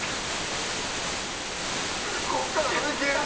ここから乗り切れる？